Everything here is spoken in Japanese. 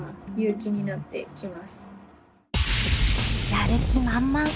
やる気満々。